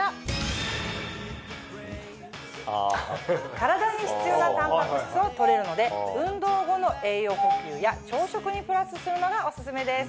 体に必要なタンパク質を取れるので運動後の栄養補給や朝食にプラスするのがオススメです。